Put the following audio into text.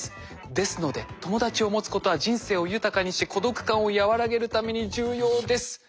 ですので友達を持つことは人生を豊かにし孤独感を和らげるために重要です」。